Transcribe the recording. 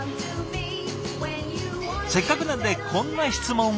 せっかくなんでこんな質問を。